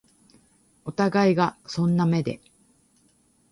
お互いがそんな目で